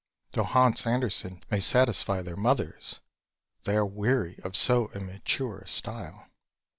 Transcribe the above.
Tho' Hans Andersen may satisfy their mothers, They are weary of so immature a style.